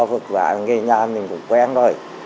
phức bản nghề nhà mình cũng quen rồi